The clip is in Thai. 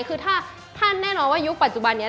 คือถ้าท่านแน่นอนว่ายุคปัจจุบันนี้